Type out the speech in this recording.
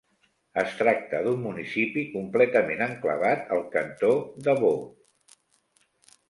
Es tracta d'un municipi completament enclavat al Cantó de Vaud.